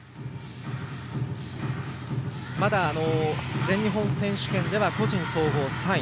まだ全日本選手権では個人総合３位。